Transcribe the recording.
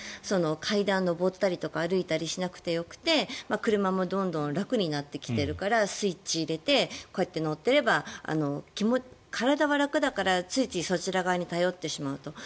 階段を上ったりとか歩いたりしなくてよくて車もどんどん楽になってきているからスイッチを入れてこうやって乗っていれば体は楽だからついついそちら側に頼ってしまうと。